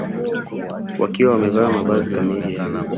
wakiwa wamevaa mavazi kamili ya